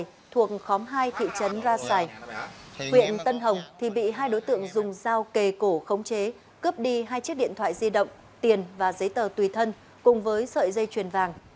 tại khóm hai thị trấn ra xài huyện tân hồng thì bị hai đối tượng dùng dao kề cổ khống chế cướp đi hai chiếc điện thoại di động tiền và giấy tờ tùy thân cùng với sợi dây chuyền vàng